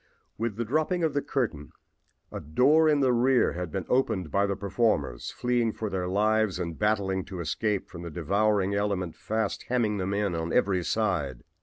With the dropping of the curtain a door in the rear had been opened by the performers, fleeing for their lives and battling to escape from the devouring element fast hemming them in on every side.